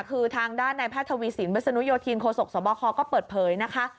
คือทางด้านในแพทย์ทวีสินวิศนุโยธินโคศกสบคก็เปิดเผยนะคะ